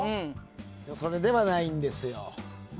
それではないんですよ。